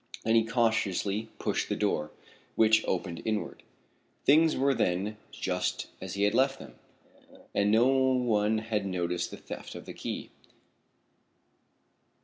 Then he cautiously pushed the door, which opened inward. Things were, then, just as he had left them, and no one had noticed the theft of the key.